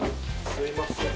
すいません。